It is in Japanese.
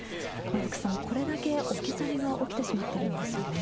福さん、これだけ置き去りが起きてしまっているんですよね。